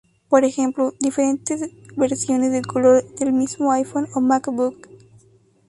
Por ejemplo, diferentes versiones de color del mismo iPhone o MacBook.